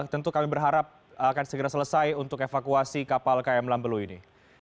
tentu kami berharap akan segera selesai untuk evakuasi kapal km lambelu ini